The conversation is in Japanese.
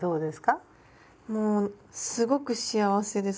もうすごく幸せです。